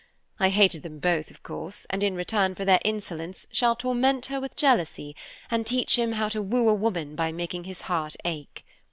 I hated them both, of course, and in return for their insolence shall torment her with jealousy, and teach him how to woo a woman by making his heart ache.